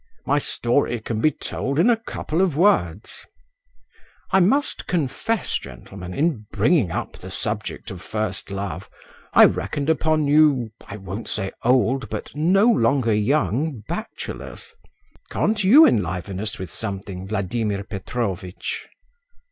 My story can be told in a couple of words. I must confess, gentlemen, in bringing up the subject of first love, I reckoned upon you, I won't say old, but no longer young, bachelors. Can't you enliven us with something, Vladimir Petrovitch?"